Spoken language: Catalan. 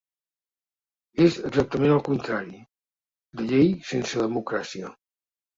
És exactament el contrari: de llei sense democràcia.